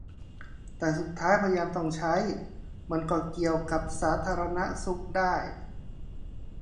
แต่สุดท้ายพอยามต้องใช้ มันก็เกี่ยวกับสาธาณสุขได้